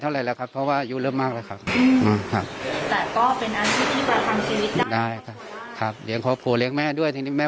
ท่านว่าสามีของคุณป๊าก็เคยเจอชีวิต